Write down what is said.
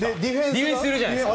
ディフェンスがいるじゃないですか。